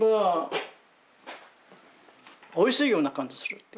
おいしいような感じする。